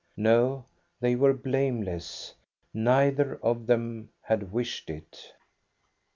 No ; they were blameless; neither of them had wished it.